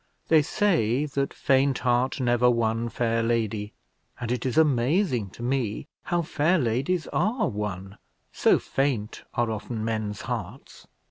They say that faint heart never won fair lady; and it is amazing to me how fair ladies are won, so faint are often men's hearts!